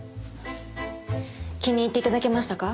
気に入っていただけましたか？